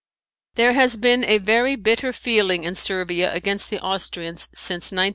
There has been a very bitter feeling in Servia against the Austrians since 1908.